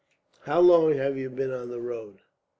"How long have you been on the road?"